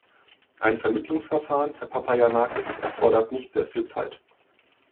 Ein Vermittlungsverfahren, Herr Papayannakis, erfordert nicht sehr viel Zeit.